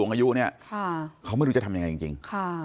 อายุเนี่ยเขาไม่รู้จะทำยังไงจริงค่ะ